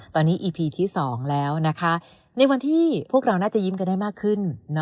ตอนนี้อีพีที่๒แล้วนะคะในวันที่พวกเราน่าจะยิ้มกันได้มากขึ้น